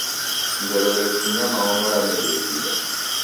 Ngelo refunya maonyo ramerie kuida.